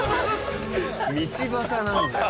道端なんだよね。